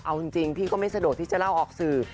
เอาจริงพี่ก็ไม่สะดวกที่จะเล่าออกสื่อ